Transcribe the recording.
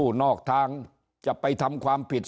ถ้าท่านผู้ชมติดตามข่าวสาร